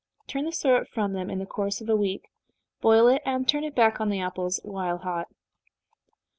Turn the syrup from them in the course of a week, boil it, and turn it back on the apples while hot.